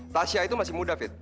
tasya itu masih muda fit